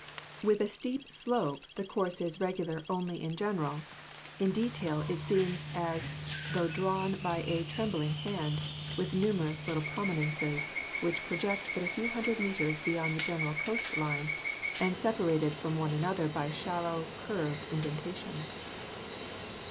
With a steep slope the course is regular 190 GEOLOGY only in general ; in detail it seems as tho drawn by a trem bling hand, with numerous little prominences, which pro ject but a few hundred meters "beyond the general coast line and separated from one another by shallow, curved indentations."